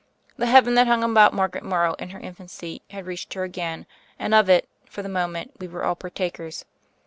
The Heaven that hung about Margaret Morrow in her infancy had reached her again, and of it, for the moment, we were all partakers.